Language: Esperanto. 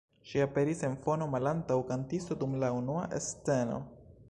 Ŝi aperis en fono malantaŭ kantisto dum la unua sceno.